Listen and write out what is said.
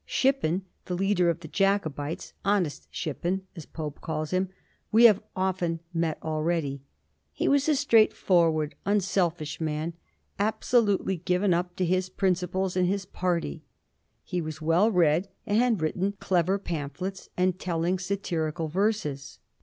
Shippen, the leader of the Jacobites, ' honest Ship pen,' as Pope calls him, we have often met already. He was a straightforward, unselfish man, absolutely given up to his principles and his party. He was well read, and had written clever pamphlets and telling satirical verses.